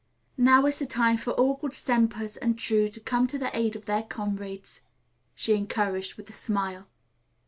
"Now is the time for all good Sempers and true to come to the aid of their comrades," she encouraged with a smile.